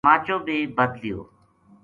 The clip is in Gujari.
تماچو بے بدھ لیو۔